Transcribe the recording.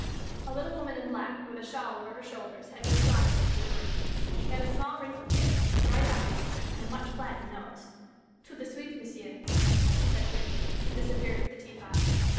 A little woman in black, with a shawl over her shoulders, had just glided into the room. She had a small, wrinkled face, bright eyes, and a much flattened nose. "Tout de suite, monsieur," she said, quickly, and disappeared with the teapot.